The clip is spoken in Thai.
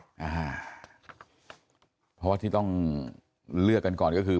เพราะว่าที่ต้องเลือกกันก่อนก็คือ